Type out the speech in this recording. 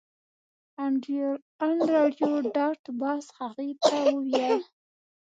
انډریو ډاټ باس هغې ته وویل